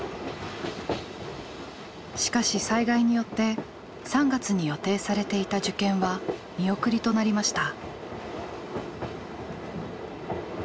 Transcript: しかし災害によって３月に予定されていた受験は見送りとなりました。